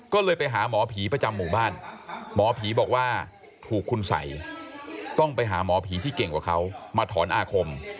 ก็เลยไปหาหมอผีประจำหมู่บ้านหมอผีบอกว่าถูกคุณสัยต้องไปหาหมอผีที่เก่งกว่าเขามาถอนอาคม